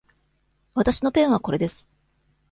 わたしのペンはこれです。